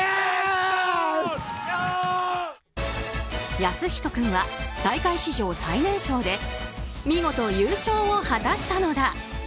靖仁君は大会史上最年少で見事、優勝を果たしたのだ。